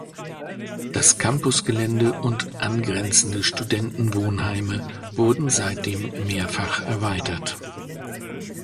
Das Campusgelände und angrenzende Studentenwohnheime wurden seitdem mehrfach erweitert.